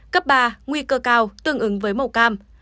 cấp ba nguy cơ cao tương ứng với màu cam